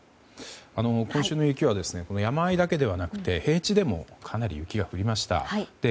今週の雪は山あいだけではなくて平地でもかなり雪が降りました。